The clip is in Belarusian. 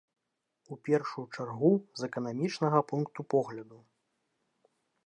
У першую чаргу з эканамічнага пункту погляду.